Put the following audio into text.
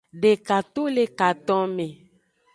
Deka to le katonme.